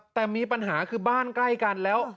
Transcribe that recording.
แต่มีปัญหาคือบ้านใกล้กันแล้ว